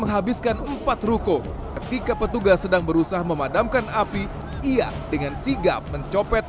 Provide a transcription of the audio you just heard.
menghabiskan empat ruko ketika petugas sedang berusaha memadamkan api ia dengan sigap mencopet